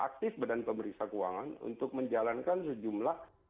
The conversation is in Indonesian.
aktif badan pemeriksa keuangan untuk menjalankan sejumlah